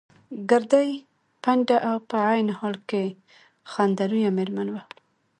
ګردۍ، پنډه او په عین حال کې خنده رویه مېرمن وه.